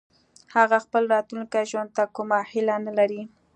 هغه خپل راتلونکي ژوند ته کومه هيله نه لري